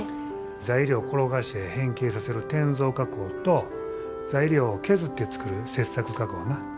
材料を転がして変形させる転造加工と材料を削って作る切削加工な。